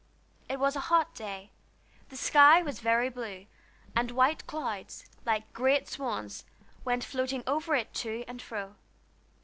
It was a hot day. The sky was very blue, and white clouds, like great swans, went floating over it to and fro.